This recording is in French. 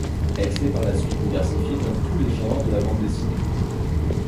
Elle s'est par la suite diversifiée dans tous les genres de la bande dessinée.